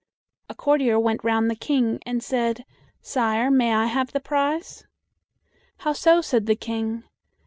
A courtier went round the King, and said, "Sire, may I have the prize?" "How so?" said the King.